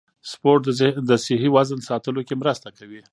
سپورت د صحي وزن ساتلو کې مرسته کوي.